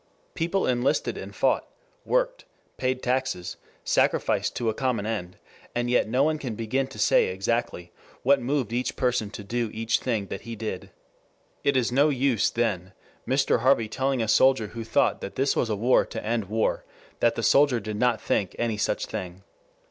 People enlisted and fought, worked, paid taxes, sacrificed to a common end, and yet no one can begin to say exactly what moved each person to do each thing that he did. It is no use, then, Mr. Harvey telling a soldier who thought this was a war to end war that the soldier did not think any such thing.